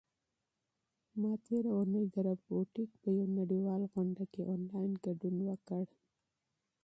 ما تېره اونۍ د روبوټیک په یوه نړیوال کنفرانس کې آنلاین ګډون وکړ.